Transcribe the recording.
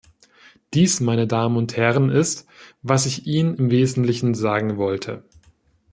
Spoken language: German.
Dies, meine Damen und Herren, ist, was ich Ihnen im Wesentlichen sagen wollte.